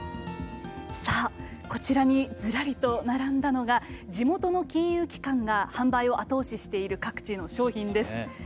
こちらにずらりと並んだのが地元の金融機関が販売を後押ししている各地の商品です。